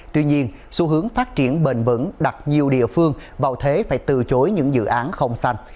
tuy nhiên xu hướng phát triển bền vững đặt nhiều địa phương vào thế phải từ chối những dự án không xanh